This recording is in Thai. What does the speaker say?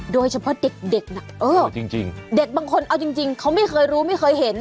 โดยเฉพาะเด็กน่ะเออจริงเด็กบางคนเอาจริงเขาไม่เคยรู้ไม่เคยเห็น